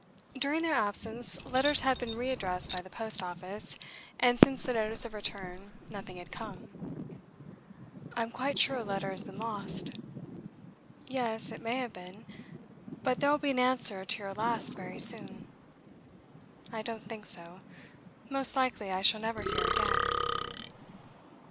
During their absence letters had been re addressed by the post office, and since the notice of return nothing had come. 'I'm quite sure a letter has been lost.' 'Yes, it may have been. But there'll be an answer to your last very soon.' 'I don't think so. Most likely I shall never hear again.